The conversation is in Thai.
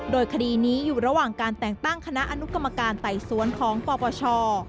โดยคดีนี้อยู่ระหว่างการแต่งตั้งคณะอนุกรรมการไต่สวนของปปช